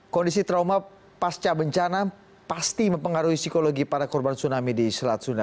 kondisi trauma pasca bencana pasti mempengaruhi psikologi para korban tsunami di selat sunda